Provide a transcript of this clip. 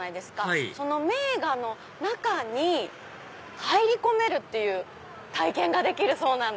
はいその名画の中に入り込めるっていう体験ができるそうです。